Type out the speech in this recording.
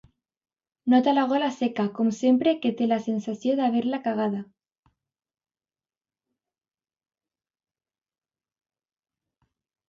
Nota la gola seca, com sempre que té la sensació d'haver-la cagada.